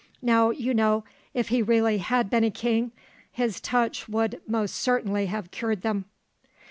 Now, you know, if he really had been a king, his touch would most certainly have cured them."